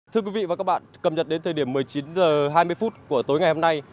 thưa quý vị và các bạn cập nhật đến thời điểm một mươi chín h hai mươi phút của tối ngày hôm nay